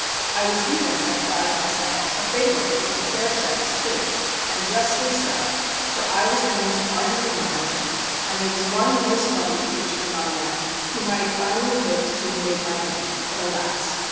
I was even, I flatter myself, a favourite with the fair sex too; and justly so, for I was their most ardent admirer; and there was one most lovely creature among them whom I had fondly hoped to have made my own. But, alas!